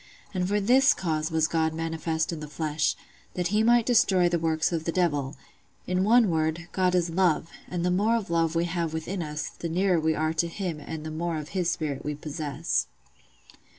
And for this cause was God manifest in the flesh, that He might destroy the works of the Devil: in one word, God is LOVE; and the more of love we have within us, the nearer we are to Him and the more of His spirit we possess.